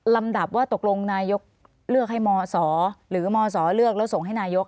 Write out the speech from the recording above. ดับว่าตกลงนายกเลือกให้มศหรือมศเลือกแล้วส่งให้นายก